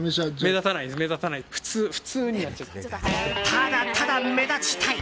ただただ目立ちたい。